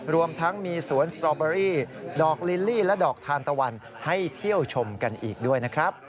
รวมทั้งมีสวนสตรอเบอรี่ดอกลิลลี่และดอกทานตะวันให้เที่ยวชมกันอีกด้วยนะครับ